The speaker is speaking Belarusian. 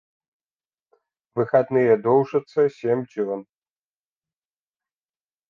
Выхадныя доўжацца сем дзён.